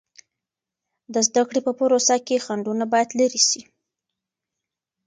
د زده کړې په پروسه کې خنډونه باید لیرې سي.